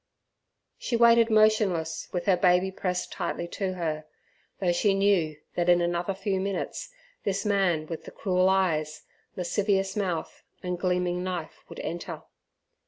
She waited motionless, with her baby pressed tightly to her, though she knew that in another few minutes this man with the cruel eyes, lascivious mouth, and gleaming knife would enter.